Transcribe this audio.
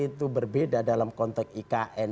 itu berbeda dalam konteks ikn